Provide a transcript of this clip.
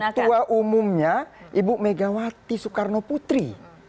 ketua umumnya ibu megawati soekarno putri